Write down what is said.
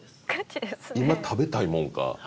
今食べたいものか。